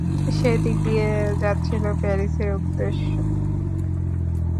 সে এদিক দিয়ে দিয়ে যাচ্ছিল প্যারিসের উদ্দেশ্য।